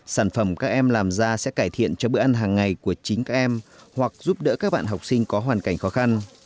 sản phẩm các em làm ra sẽ cải thiện cho bữa ăn hàng ngày của chính các em hoặc giúp đỡ các bạn học sinh có hoàn cảnh khó khăn